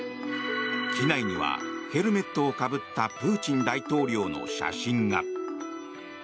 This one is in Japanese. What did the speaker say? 機内にはヘルメットをかぶったプーチン大統領の写真が。